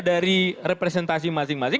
dari representasi masing masing